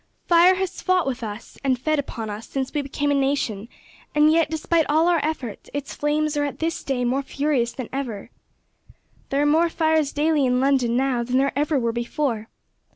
Fire has fought with us and fed upon us since we became a nation, and yet, despite all our efforts, its flames are at this day more furious than ever. There are more fires daily in London now than there ever were before.